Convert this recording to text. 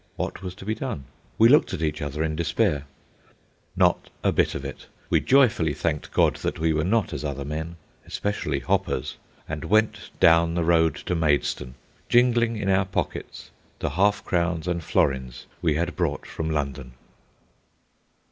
What was to be done? We looked at each other in despair— —Not a bit of it. We joyfully thanked God that we were not as other men, especially hoppers, and went down the road to Maidstone, jingling in our pockets the half crowns and florins we had brought from London.